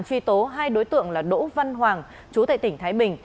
truy tố hai đối tượng là đỗ văn hoàng chú tại tỉnh thái bình